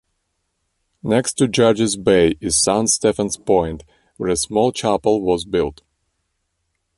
Next to Judges Bay is Saint Stephen's point, where a small chapel was built.